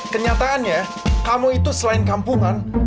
kenyataannya kamu itu selain kampungan